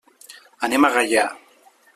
Anem a Gaià.